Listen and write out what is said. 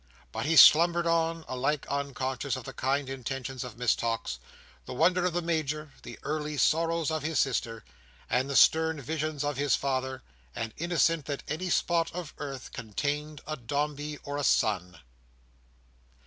But he slumbered on, alike unconscious of the kind intentions of Miss Tox, the wonder of the Major, the early sorrows of his sister, and the stern visions of his father; and innocent that any spot of earth contained a Dombey or a Son.